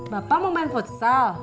bapak mau main futsal